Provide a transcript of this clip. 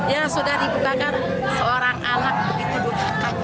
ya sudah dibuka kan seorang anak begitu durhaka